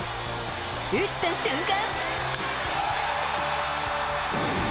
打った瞬間。